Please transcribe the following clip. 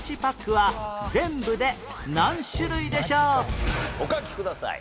ではお書きください。